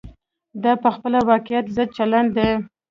دا په خپله واقعیت ضد چلن دی.